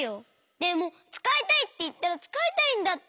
でもつかいたいっていったらつかいたいんだってば！